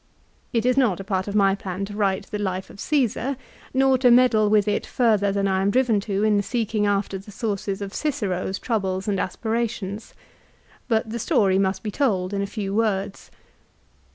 It is not a part of my plan to write the life of Csesar, nor to meddle with it further than I am driven to do in seeking after the sources of Cicero's troubles and aspirations. But the story must be told in a few words.